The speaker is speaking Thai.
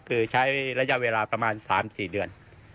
คือใช้ระยะเวลาประมาณ๓๔เดือน